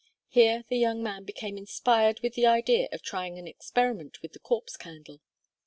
Here the young man became inspired with the idea of trying an experiment with the Corpse Candle.